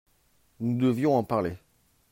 Nous devions en parler.